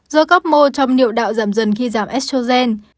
do các mô trong niệm đạo giảm dần khi giảm estrogen